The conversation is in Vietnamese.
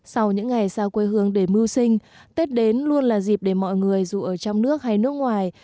sau những ngày xa quê hương để mưu sinh tết đến luôn là dịp để mọi người dù ở trong nước hay nước ngoài